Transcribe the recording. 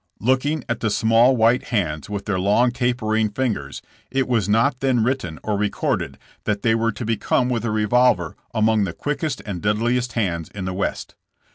Looking at the small, white hands with their long, t apering fingers, it was not then written or recorded that they were to become with a revolver among the quickest and deadliest hands in the West.